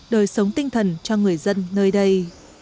đời sống tinh thần cho người dân nơi đây